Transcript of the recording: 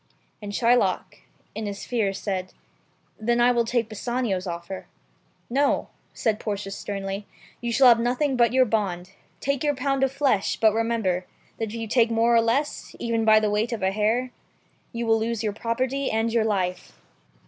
And Shylock, in his fear, said, "Then I will take Bassanio's of fer." "No," said Portia sternly, "you shall have nothing but your bond. Take your pound of flesh, but remember, that if you take more or less, even by the weight of a hair, you will lose your property and your life."